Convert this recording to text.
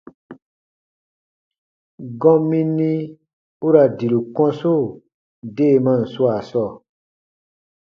Gɔmini u ra diru kɔ̃su deemaan swaa sɔɔ,